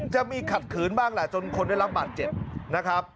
ขัดขืนบ้างแหละจนคนได้รับบาดเจ็บนะครับ